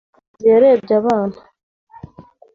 Umuforomokazi yarebye abana.